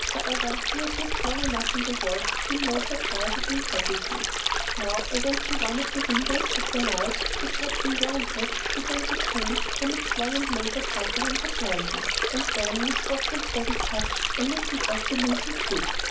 However, he had lived long enough in the world to feel no surprise at ingratitude. Now I went to one of the windows, as the light (which had been very good) began to pale from its long and labored sufferance of London, and then, with soft and steady touch, I lifted off the loosened hoop.